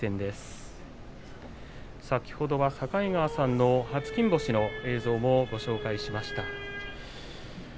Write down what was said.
先ほど境川さんの初金星の映像もご紹介しました。